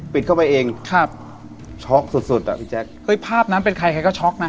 เข้าไปเองครับช็อกสุดสุดอ่ะพี่แจ๊คเฮ้ยภาพนั้นเป็นใครใครก็ช็อกนะ